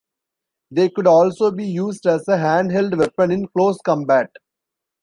They could also be used as a handheld weapon in close combat.